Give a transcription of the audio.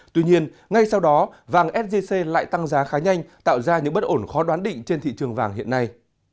tuy nhiên ngay sau đó vàng sgc lại tăng giá khá nhanh tạo ra những bất ổn khó đoán định trên thị trường vàng hiện nay